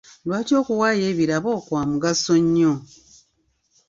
Lwaki okuwaayo ebirabo kwa mugaso nnyo ?